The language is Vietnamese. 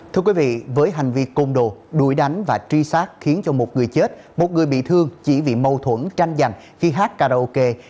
thưa quý vị với hành vi côn đồ đu đuổi đánh và truy sát khiến cho một người chết một người bị thương chỉ vì mâu thuẫn tranh giành khi hát karaoke